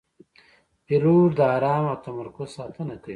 پیلوټ د آرام او تمرکز ساتنه کوي.